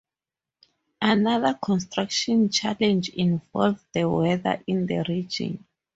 Another construction challenge involved the weather in the region.